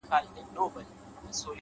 لپاره دې ښار كي ملنگ اوسېږم!!